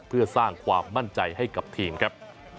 เพื่อสร้างความมั่นใจให้กับทีมครับ